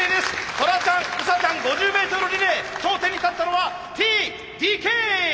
トラちゃんウサちゃん５０ｍリレー頂点に立ったのはＴ・ＤＫ！